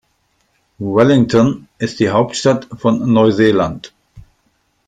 Wellington ist die Hauptstadt von Neuseeland.